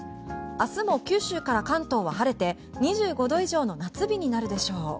明日も九州から関東は晴れて２５度以上の夏日になるでしょう。